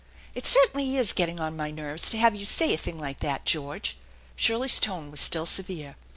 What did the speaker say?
" It certainly is getting on my nerves to have you say a thing like that, George/' Shirley's tone was still severe.